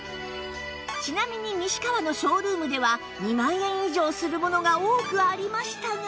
ちなみに西川のショールームでは２万円以上するものが多くありましたが